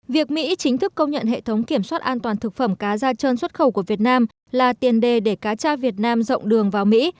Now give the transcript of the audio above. việc mỹ chính thức công nhận hệ thống kiểm soát an toàn thực phẩm cá da trơn xuất khẩu của việt nam là tiền đề để cá tra việt nam rộng đường vào mỹ